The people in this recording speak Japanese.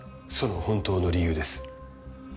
その本当の理由です。